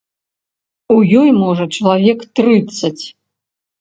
У ёй, можа, чалавек трыццаць.